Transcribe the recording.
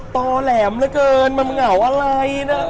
อแหลมเหลือเกินมันเหงาอะไรนะ